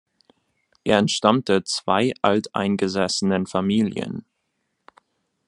Er entstammte zwei alteingesessenen Familien.